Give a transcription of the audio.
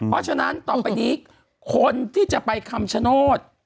เพราะฉะนั้นต่อไปนี้คนที่จะไปคำชโนธ